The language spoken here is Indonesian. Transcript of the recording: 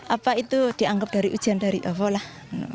apa itu dianggap dari ujian dari allah lah